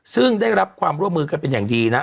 ซึ่งได้รับความร่วมมือกันเป็นอย่างดีนะ